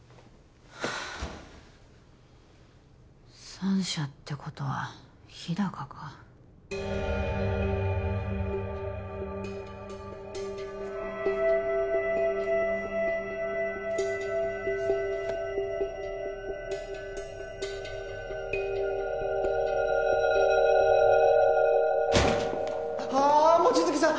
三者ってことは日高かあ望月さん！